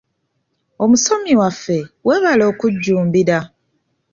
Omusomi waffe, weebale okujjumbira.